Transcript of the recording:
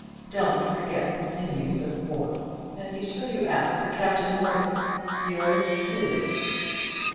Don't forget the sinews of war; and be sure you ask for Captain Morgan. Yours truly."